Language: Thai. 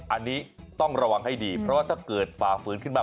อันนี้ต้องระวังให้ดีเพราะว่าถ้าเกิดฝ่าฝืนขึ้นมา